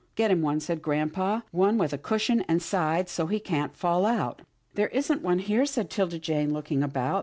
" Get him one," said grampa, " one with a cush ion and sides, so he can't fall out." " There isn't one here," said 'Tilda Jane, looking about.